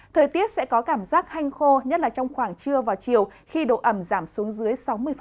thời tiết sẽ có cảm giác hanh khô nhất là trong khoảng trưa và chiều khi độ ẩm giảm xuống dưới sáu mươi